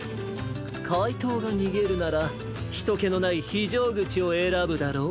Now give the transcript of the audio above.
かいとうがにげるならひとけのないひじょうぐちをえらぶだろう？